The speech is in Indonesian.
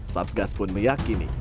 satgas pun meyakini